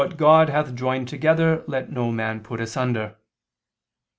God hath joined together let no man put asunder."